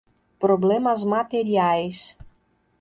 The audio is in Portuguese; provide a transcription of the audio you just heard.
problemas materiais